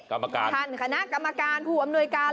กรรมการท่านคณะกรรมการผู้อำนวยการ